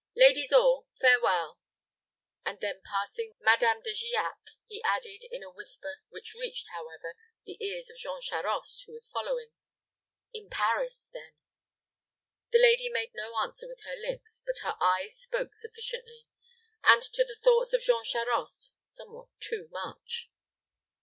Ladies all, farewell;" and then passing Madame De Giac, he added, in a whisper, which reached, however, the ears of Jean Charost who was following. "In Paris, then." The lady made no answer with her lips; but her eyes spoke sufficiently, and to the thoughts of Jean Charost somewhat too much.